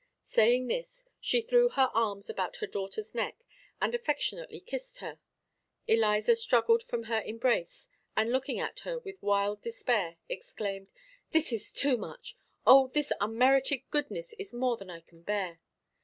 Saying this, she threw her arms about her daughter's neck, and affectionately kissed her. Eliza struggled from her embrace, and looking at her with wild despair, exclaimed, "This is too much! O, this unmerited goodness is more than I can bear!"